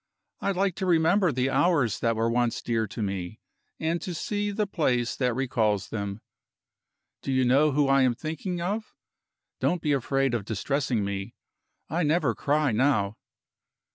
I like to remember the hours that were once dear to me, and to see the place that recalls them. Do you know who I am thinking of? Don't be afraid of distressing me. I never cry now."